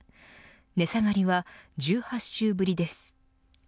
値下がりは１８週ぶりです。